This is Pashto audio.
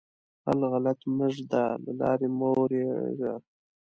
پل غلط مه ږده؛ له لارې مه اوړېږه.